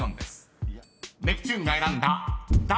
［ネプチューンが選んだ第２問］